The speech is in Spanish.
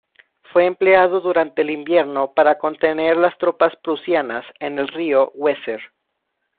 Fue empleado durante el invierno para contener las tropas prusianas en el río Weser.